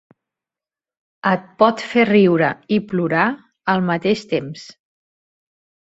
Et pot fer riure i plorar al mateix temps.